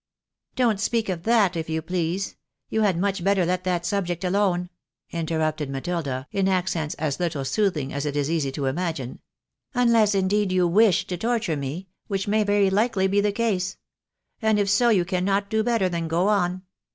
" Don't speak of that, if you please. You had much better let that subject alone," interrupted ^Matilda, in accents as little soothing as it is easy to imagine. " Unless, indeed, you wish to torture me, which may very likely be the case ; and if so, you cannot do better than go on."